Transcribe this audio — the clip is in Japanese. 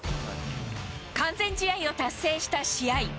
完全試合を達成した試合。